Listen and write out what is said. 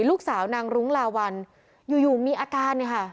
ลูกสาวนางรุ้งลาวัลอยู่อยู่มีอาการเนี่ยค่ะ